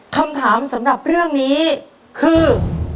คำถามสำหรับเรื่องนี้คือ